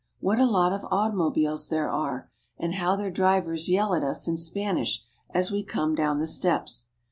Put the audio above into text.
What a lot of automobiles there are, and how their drivers yell at us in Spanish as we come down the steps!